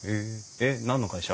えっ何の会社？